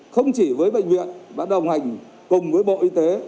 không chỉ với bệnh viện đã đồng hành cùng với bộ y tế